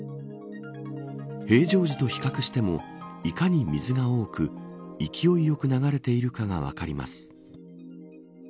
平常時と比較してもいかに水が多く勢いよく流れているかが分かります。